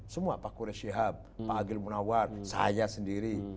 semua pak qureshihab pak agil munawwar saya sendiri